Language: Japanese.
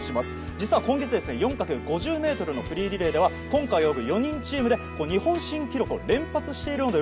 実は、今月４×５０ｍのフリーリレーでは今回泳ぐ４人チームで日本新記録を連発しているんです。